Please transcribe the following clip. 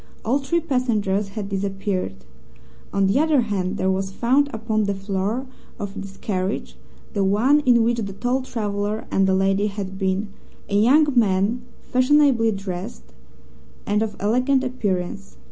All three passengers had disappeared. On the other hand, there was found upon the floor of this carriage the one in which the tall traveller and the lady had been a young man fashionably dressed and of elegant appearance.